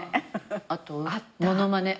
あと物まね。